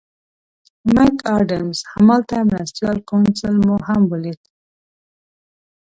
مک اډمز هماغه مرستیال کونسل مو هم ولید.